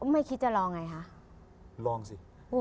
ไม่คิดจะลองไงคะลองสิ